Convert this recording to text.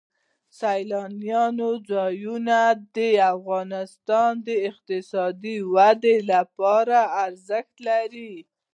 سیلانی ځایونه د افغانستان د اقتصادي ودې لپاره ارزښت لري.